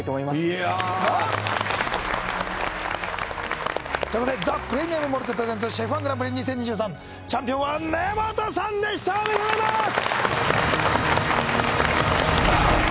いやーよっ！ということでザ・プレミアム・モルツｐｒｅｓｅｎｔｓＣＨＥＦ−１グランプリ２０２３チャンピオンは根本さんでしたおめでとうございます！